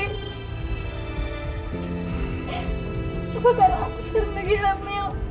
maka karena aku sering pergi hamil